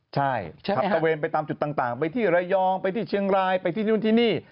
ใช่ขับตะเวนไปตามจุดต่างไปที่ระยองไปที่เชียงรายไปที่นู่นที่นี่